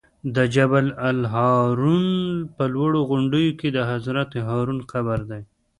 د جبل الهارون په لوړو غونډیو کې د حضرت هارون قبر دی.